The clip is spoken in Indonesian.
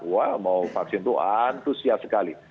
wah mau vaksin itu antusias sekali